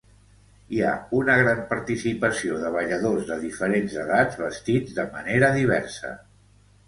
Hi ha una gran participació de balladors de diferents edats, vestits de manera diversa.